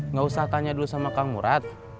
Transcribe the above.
nggak usah tanya dulu sama kang murad